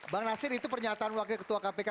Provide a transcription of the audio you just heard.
bang nasir itu pernyataan wakil ketua kpk